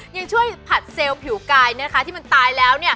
ยังช่วยผัดเซลล์ผิวกายนะคะที่มันตายแล้ว